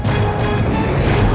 tapi hanya beresiko saya